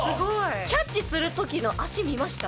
キャッチする時の見ました。